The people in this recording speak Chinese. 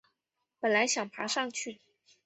本来想爬上去